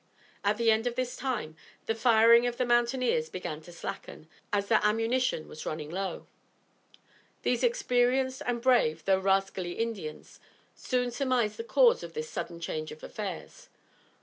At the end of this time the firing of the mountaineers began to slacken, as their ammunition was running low. These experienced and brave, though rascally Indians, soon surmised the cause of this sudden change of affairs.